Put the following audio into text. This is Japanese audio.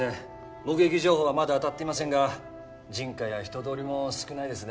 目撃情報はまだあたっていませんが人家や人通りも少ないですね・